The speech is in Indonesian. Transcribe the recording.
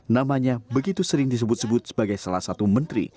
namanya begitu sering disebut sebut sebagai salah satu menteri